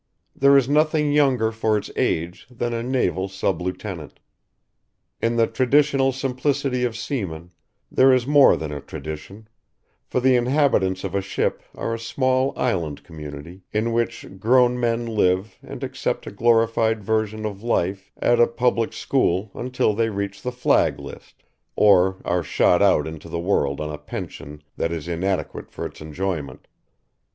There is nothing younger for its age than a naval sub lieutenant. In the traditional simplicity of seamen there is more than a tradition; for the inhabitants of a ship are a small island community in which grown men live and accept a glorified version of life at a public school until they reach the flag list, or are shot out into the world on a pension that is inadequate for its enjoyment.